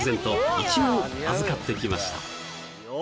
一応預かってきました・よお！